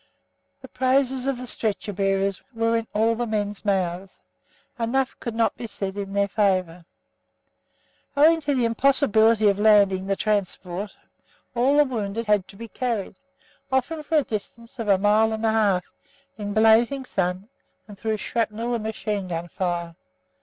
The praises of the stretcher bearers were in all the men's mouths; enough could not be said in their favour. Owing to the impossibility of landing the transport, all the wounded had to be carried; often for a distance of a mile and a half, in a blazing sun, and through shrapnel and machine gun fire.